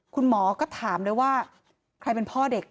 คุณหมอก็ถามเลยว่าใครเป็นพ่อเด็ก